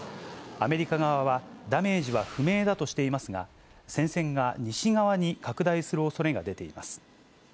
アメリカ側は、ダメージは不明だとしていますが、戦線が西側に拡大するおそれが出ています。